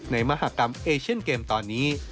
มหากรรมเอเชียนเกมตอนนี้